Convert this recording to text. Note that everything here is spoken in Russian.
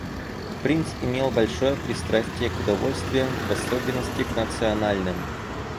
Принц имел большое пристрастие к удовольствиям, в особенности к национальным.